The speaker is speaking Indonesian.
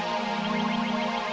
kamu sudah jauh berubah sekarang mas